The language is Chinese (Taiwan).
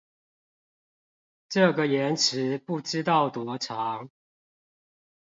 這個延遲不知道多長